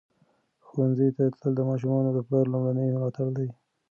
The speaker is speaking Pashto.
ښوونځي ته تلل د ماشومانو د پلار لومړنی ملاتړ دی.